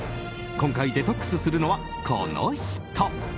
今回デトックスするのは、この人。